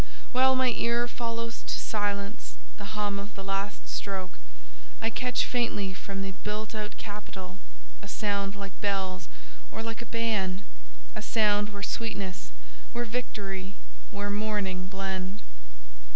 While my ear follows to silence the hum of the last stroke, I catch faintly from the built out capital, a sound like bells or like a band—a sound where sweetness, where victory, where mourning blend.